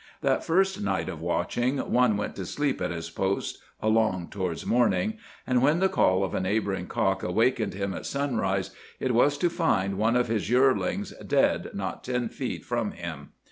That first night of watching one went to sleep at his post along towards morning, and when the call of a neighboring cock awakened him at sunrise, it was to find one of his yearlings dead not ten feet from him.